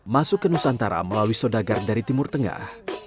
masuk ke nusantara melalui sodagar dari timur tengah